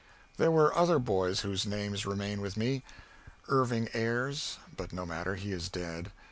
There were other boys whose names remain with me. Irving Ayres but no matter, he is dead.